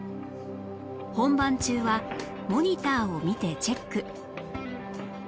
本番中はモニターを見てチェック